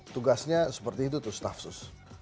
tugasnya seperti itu tuh staff khusus